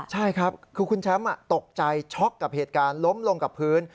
ใช่ครับคือคุณแชมป์ตกใจช็อกกับเหตุการณ์ล้มลงกับพื้น